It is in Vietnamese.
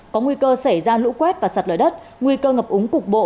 có nguy cơ xảy ra lũ quét và sạt lở đất nguy cơ ngập úng cục bộ